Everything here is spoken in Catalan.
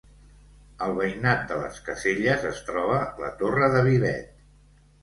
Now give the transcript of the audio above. Al veïnat de les Caselles es troba la Torre de Vivet.